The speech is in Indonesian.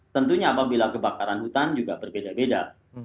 tentunya apabila kebakaran hutan juga berbeda beda